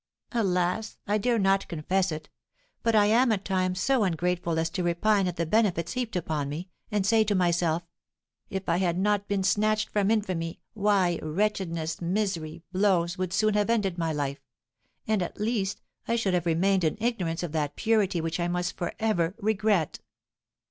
Alas! I dare not confess it; but I am at times so ungrateful as to repine at the benefits heaped upon me, and to say to myself, 'If I had not been snatched from infamy, why, wretchedness, misery, blows, would soon have ended my life; and, at least, I should have remained in ignorance of that purity which I must for ever regret.'"